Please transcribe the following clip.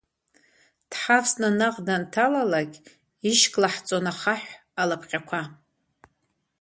Дҳавсны наҟ данҭалалакь, Ишьклаҳҵон ахаҳә, алапҟьақәа.